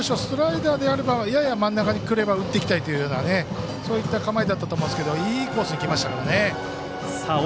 スライダーであればやや真ん中に来れば打っていきたいというそういった構えだったと思うんですけどいいコースに来ましたからね。